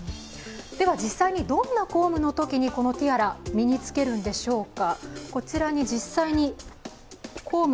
実際にどんな公務のときにこのティアラを身につけるんでしょうか。